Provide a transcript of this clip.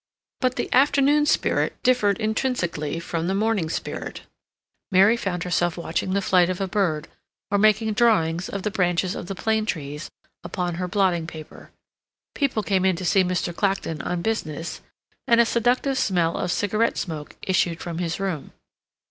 But the afternoon spirit differed intrinsically from the morning spirit. Mary found herself watching the flight of a bird, or making drawings of the branches of the plane trees upon her blotting paper. People came in to see Mr. Clacton on business, and a seductive smell of cigarette smoke issued from his room.